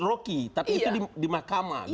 rocky tapi itu di mahkamah